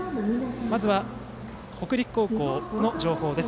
まず北陸高校の情報です。